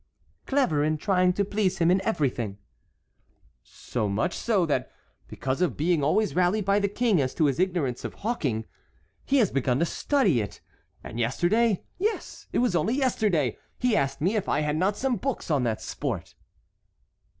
"Clever in trying to please him in everything." "So much so that because of being always rallied by the King as to his ignorance of hawking he has begun to study it; and yesterday, yes, it was only yesterday, he asked me if I had not some books on that sport."